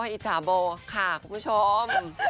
อ๊ออ๊ออิจ่าโบ่ค่ะคุณผู้ชม